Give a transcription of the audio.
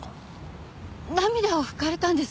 涙を拭かれたんです。